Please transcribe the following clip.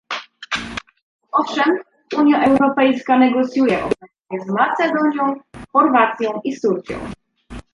Owszem, Unia Europejska negocjuje obecnie z Macedonią, Chorwacją i z Turcją